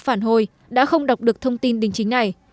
phản hồi đã không đọc được thông tin đính chính này